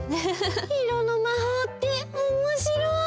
いろのまほうっておもしろい！